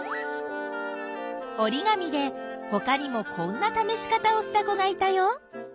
おりがみでほかにもこんなためし方をした子がいたよ。